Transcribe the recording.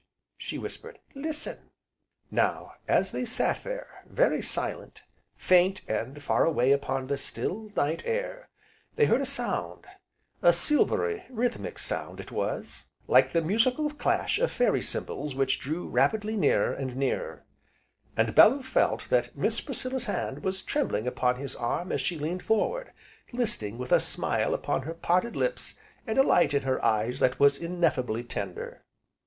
she whispered, "Listen!" Now as they sat there, very silent, faint and far away upon the still night air, they heard a sound; a silvery, rhythmic sound, it was, like the musical clash of fairy cymbals which drew rapidly nearer, and nearer; and Bellew felt that Miss Priscilla's hand was trembling upon his arm as she leaned forward, listening with a smile upon her parted lips, and a light in her eyes that was ineffably tender.